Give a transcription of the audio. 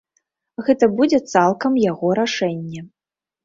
Гэта будзе цалкам яго рашэнне.